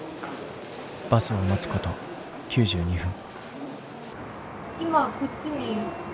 バスを待つこと９２分。